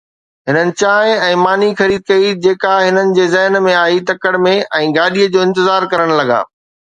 هنن چانهه ۽ ماني خريد ڪئي جيڪا هنن جي ذهن ۾ آئي تڪڙ ۾۽ گاڏيءَ جو انتظار ڪرڻ لڳا.